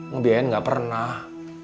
ngebiayain gak pernah